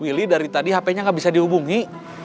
willy dari tadi hpnya gak bisa dihubungi